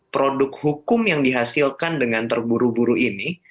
produk hukum yang dihasilkan dengan terburu buru ini